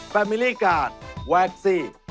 แฟมิลี่การ์ดแวคซี